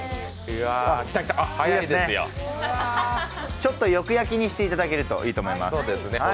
ちょっとよく焼きにしていただけるといいと思います。